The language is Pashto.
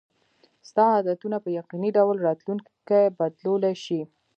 ستا عادتونه په یقیني ډول راتلونکی بدلولی شي.